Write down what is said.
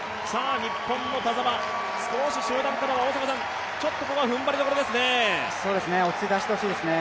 日本の田澤、少し集団からは、ここは踏ん張りどころですね。